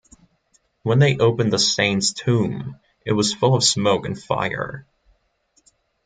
When they opened the saint's tomb, it was full of smoke and fire.